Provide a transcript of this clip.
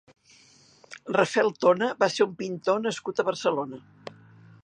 Rafel Tona va ser un pintor nascut a Barcelona.